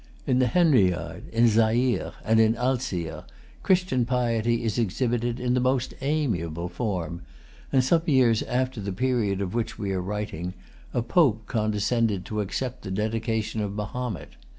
In the Henriade, in Zaire, and in Alzire, Christian piety is exhibited in the most amiable form; and, some years after the period of which we are writing, a Pope condescended to accept the dedication of Mahomet.